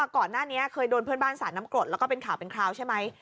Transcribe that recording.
ก่อนหน้านี้เคยโดนเพื่อนบ้านสาดน้ำกรดแล้วก็เป็นข่าวเป็นคราวใช่ไหม